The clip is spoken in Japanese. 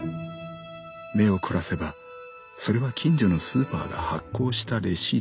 目を凝らせばそれは近所のスーパーが発行したレシートだった。